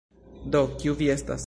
Do kiu vi estas?